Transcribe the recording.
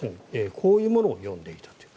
こういうものを読んでいたと。